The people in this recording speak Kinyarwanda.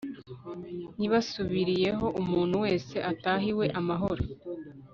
nibasubireyo umuntu wese atahe iwe amahoro